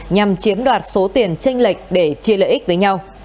nhằm chiếm đoạt số tiền tranh lệch để chia lợi ích với nhau